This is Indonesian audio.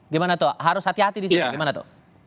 gimana tuh harus hati hati di sini gimana tuh